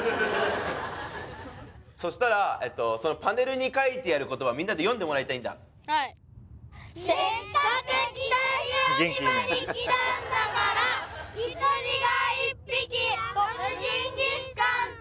そしたらそのパネルに書いてある言葉みんなで読んでもらいたいんだ「せっかく北広島に来たんだから」「羊が一匹ラムジンギスカンと」